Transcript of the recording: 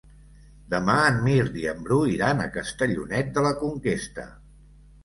Demà en Mirt i en Bru iran a Castellonet de la Conquesta.